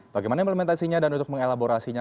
bagaimana implementasinya dan untuk mengelaborasinya